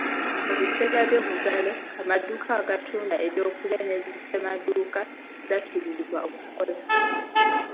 Mu biseera by'omuggalo, amaduuka agatunda eby'okulya ne zi ssemaduuka zakkirizibwa okukola.